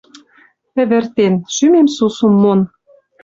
Ӹвӹртен; шӱмем сусум мон.